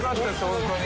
ホントに。